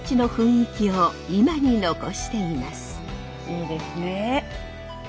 いいですね。